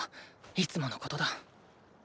いつものことだ。